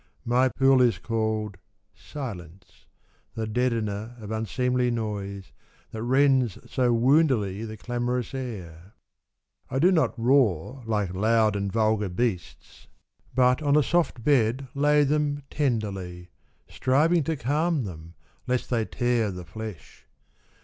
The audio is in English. My pool is called Silence, the deadener of unseemly noise, That rends so woundily the clamorous air. I do not roar like loud and vulgar beasts, 52 The Crocodile Discourses. But on a soft bed lay them tenderly. Striving to calm them, lest they tear the flesh.